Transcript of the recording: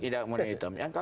tidak murni hitam